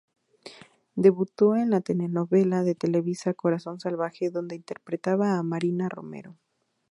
Debutó en la telenovela de Televisa "Corazón salvaje" donde interpretaba a Mariana Romero.